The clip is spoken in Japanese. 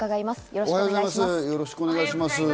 よろしくお願いします。